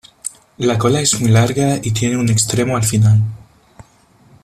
La cola es muy larga y tiene un extremo al final.